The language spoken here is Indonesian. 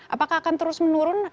apakah akan terus menurun